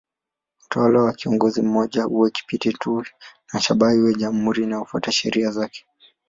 Utawala wa kiongozi mmoja uwe kipindi tu na shabaha iwe jamhuri inayofuata sheria zake.